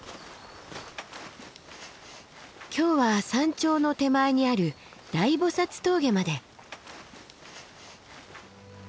今日は山頂の手前にある大菩峠まで。